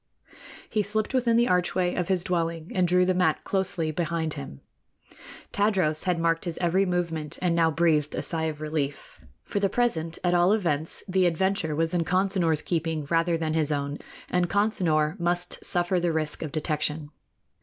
He slipped within the archway of his dwelling and drew the mat closely behind him. Tadros had marked his every movement, and now breathed a sigh of relief. For the present, at all events, the adventure was in Consinor's keeping rather than his own, and Consinor must suffer the risk of detection.